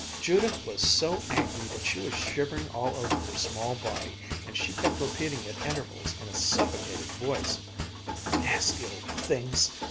Judith was so angry that she was shivering all over her small body, and she kept repeating at intervals, in a suffocated voice: "Nasty old things!